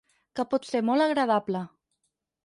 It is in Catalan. Que pot ser molt agradable.